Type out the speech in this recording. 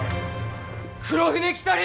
黒船来たり！